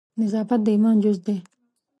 نظافت د ایمان جز ده